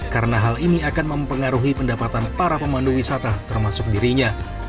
karena hal ini akan mempengaruhi pendapatan para pemandu wisata termasuk dirinya